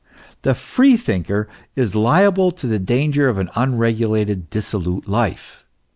The freethinker is liahle to the danger of an unregulated, dissolute life.